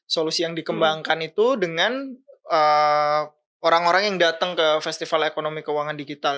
solusi yang dikembangkan itu dengan orang orang yang datang ke festival ekonomi keuangan digital